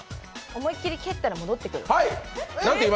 思いっきり蹴ったら戻ってくる。